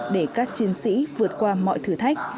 để các chiến sĩ vượt qua mọi thử thách